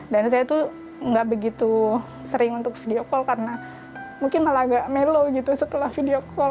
dan saya tuh nggak begitu sering untuk video call karena mungkin malah agak melo gitu setelah video call